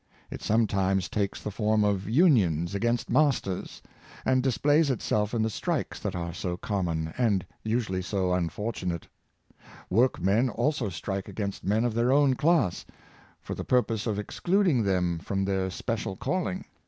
It sometimes takes the form of unions against masters ; and displays itself in the strikes that are so common, and usually so unfortunate. Workmen also strike Money Throtvn Aivay, 425 against men of their own class, for the purpose of excluding them from their special calling.